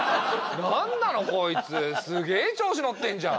何なのこいつすげぇ調子乗ってんじゃん。